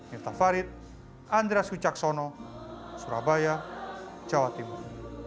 mirta farid andra suicaksono surabaya jawa timur